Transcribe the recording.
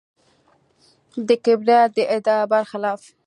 د کبریت د ادعا برخلاف.